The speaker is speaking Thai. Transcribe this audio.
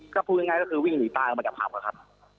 ก็พูดง่ายก็คือวิ่งหนีต้าออกมาจากภาพนะครับ